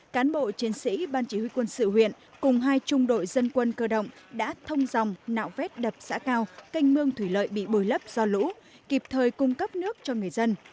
cán bộ chiến sĩ ban chỉ huy quân sự huyện cùng hai trung đội dân quân cơ động đã thông dòng nạo vét đập xã cao canh mương thủy lợi bị bồi lấp do lũ kịp thời cung cấp nước cho người dân